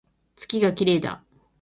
月が綺麗だ